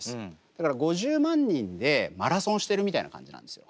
だから５０万人でマラソンしてるみたいな感じなんですよ。